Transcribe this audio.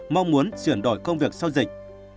mong muốn chuyển đổi công việc sau dịch